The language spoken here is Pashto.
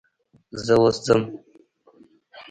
زه اوس ځم.